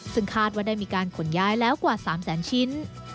ซึ่งคาดว่าได้มีการขนย้ายแล้วกว่า๓แสนชิ้น